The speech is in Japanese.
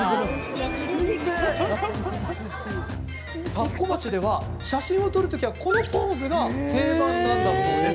田子町では写真を撮る時はこのポーズが定番なんだそう。